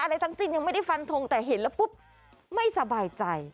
อะไรทั้งสิ้นยังไม่ได้ฟันทงแต่เห็นแล้วปุ๊บไม่สบายใจ